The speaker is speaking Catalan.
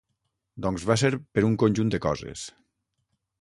Doncs va ser per un conjunt de coses.